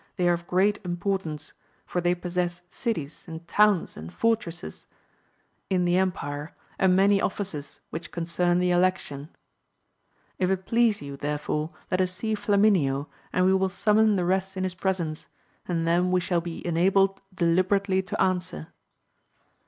they are of great importance, for they ponaefls and towns, and fortresses, in the empire, and many offices, which concern the election ; if it please you, therefore, let us see Flamineo, and we will samnMMi tlM rest in his presence, and then we shall be enabled deli berately to answer.